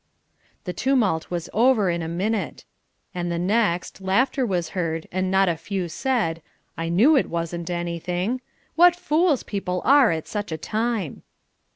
The tumult was over in a minute, and the next, laughter was heard, and not a few said, "I knew it wasn't anything." "What fools people are at such a time."